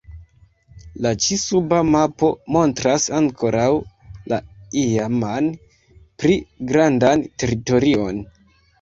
La ĉi-suba mapo montras ankoraŭ la iaman, pli grandan teritorion.